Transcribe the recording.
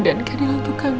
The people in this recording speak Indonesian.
dan keadilan untuk kamu andi